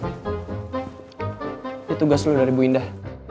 itu tugas lo dari bu indah